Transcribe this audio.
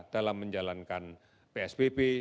dalam menjalankan psbb